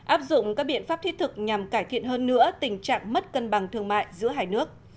áp dụng các biện pháp thiết thực nhằm cải thiện hơn nữa tình trạng mất cân bằng thương mại giữa hai nước